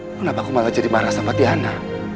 kenapa aku malah jadi marah sama tiana